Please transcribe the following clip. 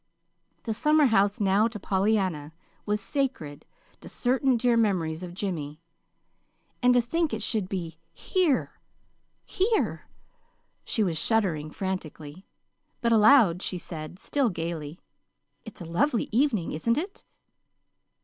The summerhouse now, to Pollyanna, was sacred to certain dear memories of Jimmy. "And to think it should be here HERE!" she was shuddering frantically. But aloud she said, still gayly, "It's a lovely evening, isn't it?"